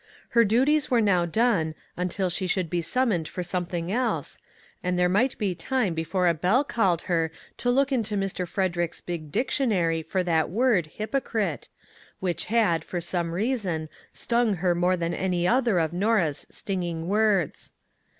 Her duties were now done, until she should be summoned for something else, and there might be time before a bell called her to look into Mr. Frederick's big dictionary for that word " hypocrite," which had, for some reason, stung her more than any other of Norah's stinging words.